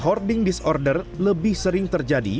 hoarding disorder lebih sering terjadi